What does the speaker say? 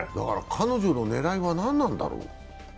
彼女の狙いは何なんだろう？